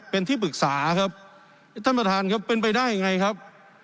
เป็นที่ปรึกษาครับท่านประธานครับเป็นไปได้ยังไงครับ